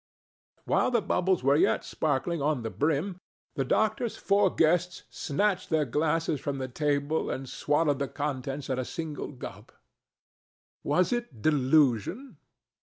While the bubbles were yet sparkling on the brim the doctor's four guests snatched their glasses from the table and swallowed the contents at a single gulp. Was it delusion?